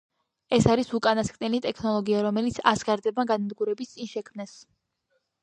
ეს არის უკანასკნელი ტექნოლოგია, რომელიც ასგარდებმა განადგურების წინ შექმნეს.